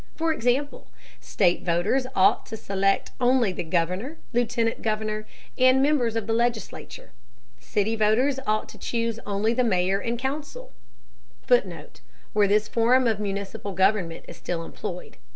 For example, state voters ought to select only the governor, lieutenant governor, and members of the legislature; city voters ought to choose only the mayor and council; [Footnote: Where this form of municipal government is still employed.